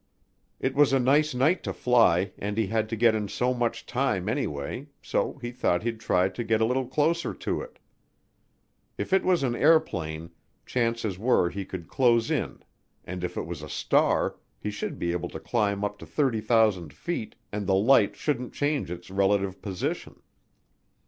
It was a nice night to fly and he had to get in so much time anyway, so he thought he'd try to get a little closer to it. If it was an airplane, chances were he could close in and if it was a star, he should be able to climb up to 30,000 feet and the light shouldn't change its relative position.